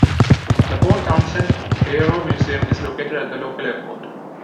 The Port Townsend Aero Museum is located at the local airport.